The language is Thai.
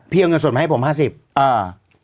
พี่เอาเงินสดไหมให้ผม๕๐